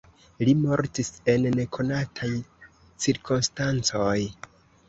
Li mortis en nekonataj cirkonstancoj.